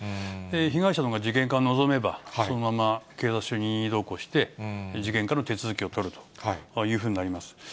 被害者のほうが事件化を望めば、そのまま警察署に任意同行して、事件化の手続きを取るというふうになります。